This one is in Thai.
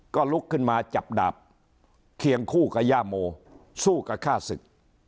ก็ลุกขึ้นมาจับดาบเคียงคู่กับย่าโมสู้กับฆ่าศึก